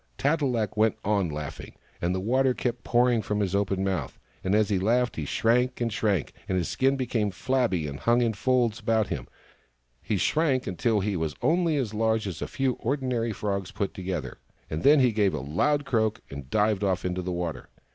Tat e lak went on laughing, and the water kept pouring out of his open mouth ; and as he laughed he shrank and shrank, and his skin became flabby and hung in folds about him. He shrank until he was only as large as a few ordinary frogs put together : and then he gave a loud croak, and dived off into the water.